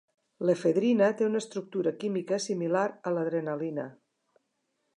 L'efedrina té una estructura química similar a l'adrenalina.